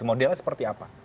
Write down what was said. modelnya seperti apa